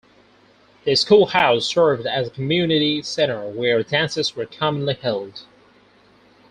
The school house served as a community center where dances were commonly held.